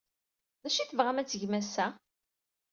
D acu ay tebɣam ad tgem ass-a?